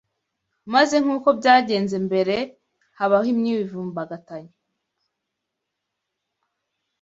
Maze nk’uko byagenze mbere habaho imyivumbagatanyo